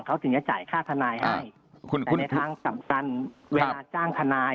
เขาถึงจะจ่ายค่าทนายให้คุณในทางสำคัญเวลาจ้างทนาย